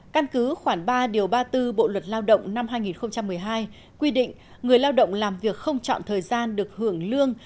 căn cứ khoảng ba điều ba mươi bốn bộ luật lao động năm hai nghìn một mươi hai quy định người lao động làm việc không chọn thời gian được hưởng lương